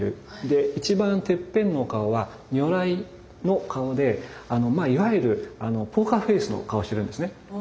で一番てっぺんのお顔は如来の顔でいわゆるポーカーフェースの顔をしているんですね。